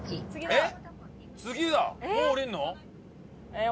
えっ？